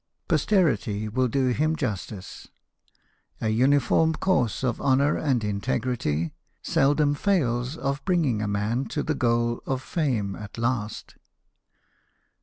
Posterity will do him justice. A uniform course of honour and integrity seldom fails of bring ing a man to the goal of fame at last."